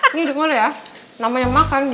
ini denger ya namanya makan di sini